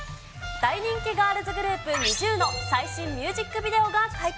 大人気ガールズグループ、ＮｉｚｉＵの最新ミュージックビデオが解禁。